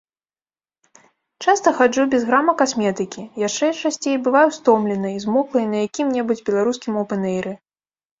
Часта хаджу без грама касметыкі, яшчэ часцей бываю стомленай, змоклай на якім-небудзь беларускім опэн-эйры.